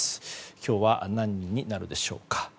今日は何人になるでしょうか。